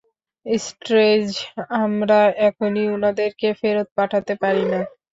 Strange, আমরা এখনই ওনাদেরকে ফেরত পাঠাতে পারি না।